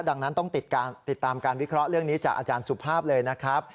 ดังนั้นต้องติดตามการวิเคราะห์เรื่องนี้จากอาจารย์สุภาพเลยนะครับ